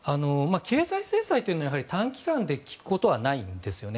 経済制裁というのは短期間で効くことはないんです。